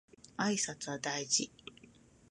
挨拶は大事だ